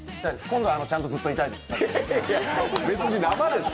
今度はちゃんとずっといたいです。